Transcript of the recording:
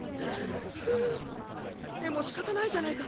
うぅでもしかたないじゃないか。